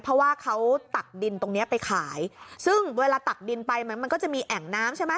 เพราะว่าเขาตักดินตรงเนี้ยไปขายซึ่งเวลาตักดินไปมันมันก็จะมีแอ่งน้ำใช่ไหม